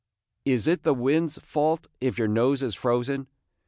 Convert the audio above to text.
Is it the wind's fault if your nose is frozen?